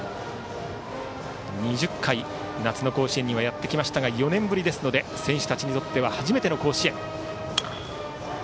２０回夏の甲子園にもやってきましたが４年ぶりですので選手たちにとっては初めての甲子園。